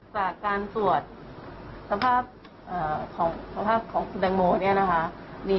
จากการตรวจสภาพของคุณแดงโมเนี่ยนะคะมี